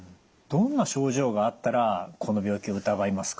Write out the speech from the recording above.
どんな症状があったらこの病気を疑いますか？